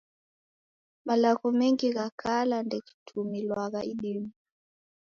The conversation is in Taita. Malagho mengi gha kala ndeghitumilwagha idime